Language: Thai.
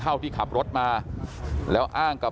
แต่ว่าวินนิสัยดุเสียงดังอะไรเป็นเรื่องปกติอยู่แล้วครับ